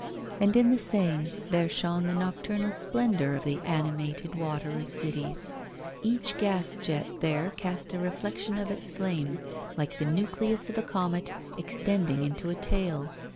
And in the Seine there shone the nocturnal splendour of the animated water of cities; each gas jet there cast a reflection of its flame, like the nucleus of a comet, extending into a tail.